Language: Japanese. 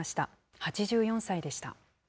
８４歳でした。